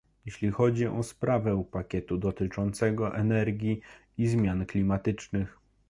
Jeśli chodzi o sprawę pakietu dotyczącego energii i zmian klimatycznych